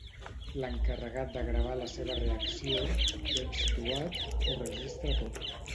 L'encarregat de gravar la seva reacció, ben situat, ho registra tot.